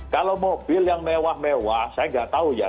kalau mobil yang mewah mewah saya nggak tahu ya